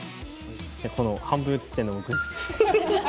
この半分写ってんの僕です。